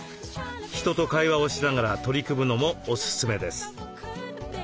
人と会話をしながら取り組むのもおすすめです。